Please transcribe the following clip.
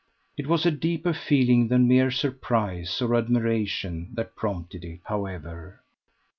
It was a deeper feeling than mere surprise or admiration that prompted it, however.